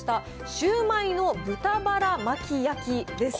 シュウマイの豚バラ巻き焼きです。